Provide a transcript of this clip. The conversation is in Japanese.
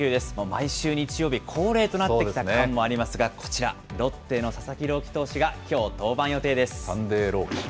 毎週日曜日、恒例となってきた感もありますが、こちら、ロッテの佐々木朗希投手がきょう、登板予定です。